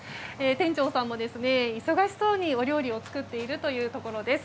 店長さんも忙しそうにお料理を作っているところです。